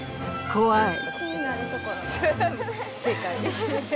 怖い！